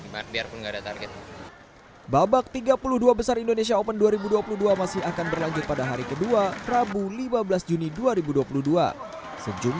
biarpun ada target babak tiga puluh dua besar indonesia open dua ribu dua puluh dua masih akan berlanjut pada hari kedua rabu lima belas